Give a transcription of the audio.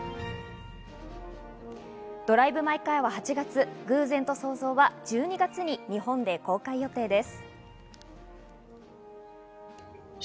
『ドライブ・マイ・カー』は８月『偶然と想像』は１２月に日本で公開予定です。